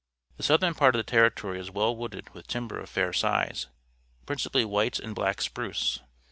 The southern part of the Territory is well wooded with timber of fair size, principally white and black spruce.